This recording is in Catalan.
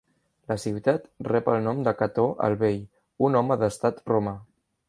La ciutat rep el nom de Cató el Vell, un home d'estat romà.